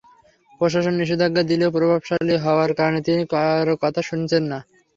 প্রশাসন নিষেধাজ্ঞা দিলেও প্রভাবশালী হওয়ার কারণে তিনি কারও কথা শুনছেন না।